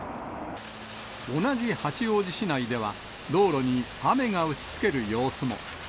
同じ八王子市内では、道路に雨が打ちつける様子も。